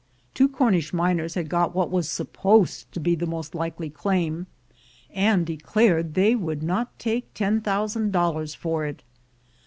Two Cornish miners had got what was supposed to be the most likely claim, and declared they would not take ten thousand dollars for it.